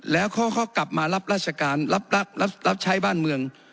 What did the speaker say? แล้วเขาก็กลับมารับราชการรับใช้บ้านเมือง